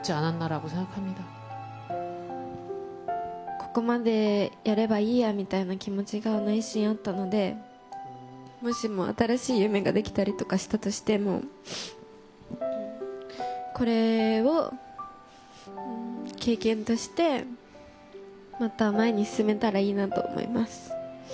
ここまでやればいいやみたいな気持ちが内心あったので、もしも新しい夢が出来たりとかしても、これを経験としてまた前に進めたらいいなと思います。